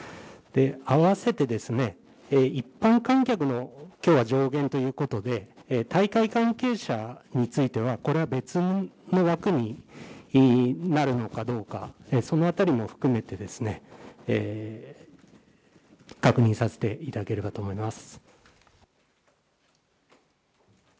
併せて、一般観客の、きょうは上限ということで、大会関係者については、これは別の枠になるのかどうか、そのあたりも含めて、確認させていただければと思います。